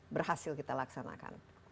berhasil kita laksanakan